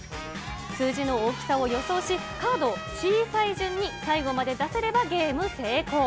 数字の大きさを予想し、カードを小さい順に最後まで出せればゲーム成功。